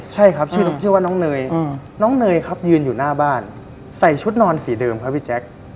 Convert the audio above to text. ใช่ครับหนูใช่ว่าน้องเนยลดอยู่หน้าบ้านใส่ชุดนอนสีเดิมครับพี่แจ๊ค